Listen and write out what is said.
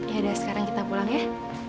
yaudah sekarang kita pulang ya